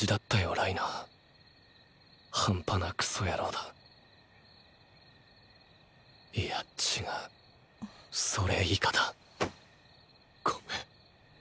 ライナー半端なクソ野郎だいや違うそれ以下だごめん。